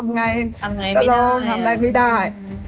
ทำไงตรงทำอะไรไม่ได้